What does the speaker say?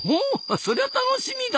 そりゃ楽しみだ。